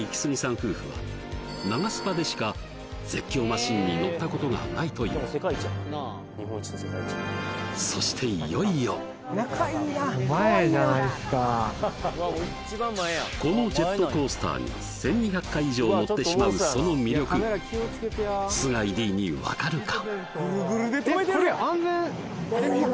夫婦はナガスパでしか絶叫マシンに乗ったことがないというそしていよいよこのジェットコースターに１２００回以上乗ってしまうその魅力須貝Ｄに分かるか？